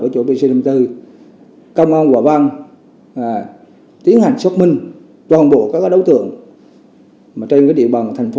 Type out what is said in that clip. của nạn nhân